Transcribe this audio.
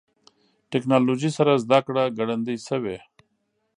ټکنالوژي سره زدهکړه ګړندۍ شوې.